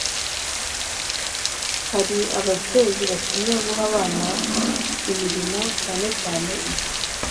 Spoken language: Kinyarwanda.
Hari ababyeyi batinya guha abana imirimo cyane cyane igihe